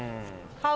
買う？